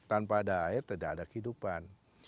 tanpa ada air tidak ada kehidupan